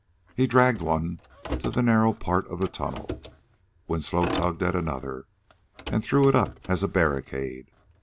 He dragged one to the narrow part of the tunnel. Winslow tugged at another and threw it up as a barricade.